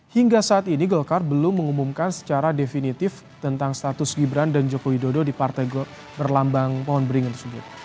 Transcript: hingga saat ini golkar belum mengumumkan secara definitif tentang status gibran dan jokowi dodo di partai berlambang pohon beringin tersebut